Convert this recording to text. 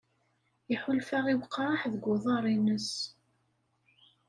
Iḥulfa i weqraḥ deg uḍar-nnes.